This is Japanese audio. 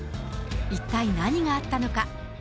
一体何があったのか。